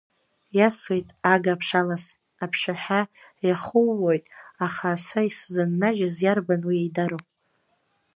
Иасуеит ага ԥшалас, аԥшаҳәа иахууоит, аха са исзыннажьыз, иарбан уи еидароу?